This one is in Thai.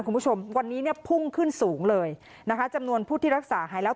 คุณผู้ชมวันนี้เนี่ยพุ่งขึ้นสูงเลยนะคะจำนวนผู้ที่รักษาหายแล้ว